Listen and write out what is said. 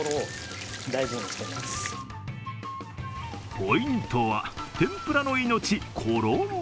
ポイントは天ぷらの命、衣。